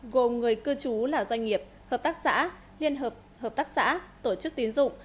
gồm người cư trú là doanh nghiệp hợp tác xã liên hợp hợp tác xã tổ chức tiến dụng